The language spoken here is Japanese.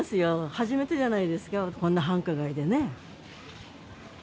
初めてじゃないですか、こんな繁華街でね。